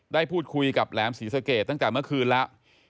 ได้พูดคุยกับแหลมศรีสะเกดตั้งแต่เมื่อคืนแล้ว